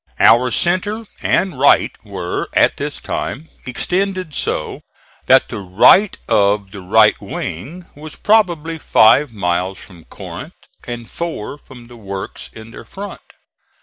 Our centre and right were, at this time, extended so that the right of the right wing was probably five miles from Corinth and four from the works in their front.